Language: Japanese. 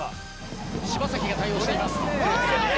柴崎が対応しています。